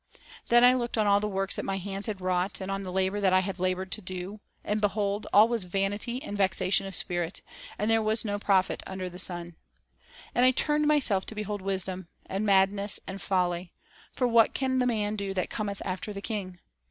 Then I looked on all the works that my hands had wrought, and on the labor that I had labored to do; and, behold, all was vanity and vexation of spirit, and there was no profit under the sun. And I turned myself to behold wisdom, and madness, and folly; for what can the man do that cometh after the king?